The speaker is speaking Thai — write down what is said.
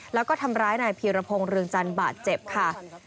แล้วก็ทำร้ายนายพีรพงศ์เรืองจันทร์บาดเจ็บค่ะ